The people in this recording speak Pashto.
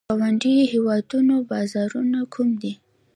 د ګاونډیو هیوادونو بازارونه کوم دي؟